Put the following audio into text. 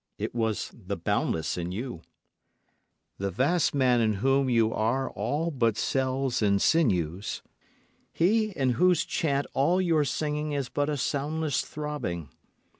It was the boundless in you; The vast man in whom you are all but cells and sinews; He in whose chant all your singing is but a soundless throbbing.